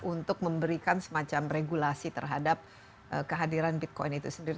untuk memberikan semacam regulasi terhadap kehadiran bitcoin itu sendiri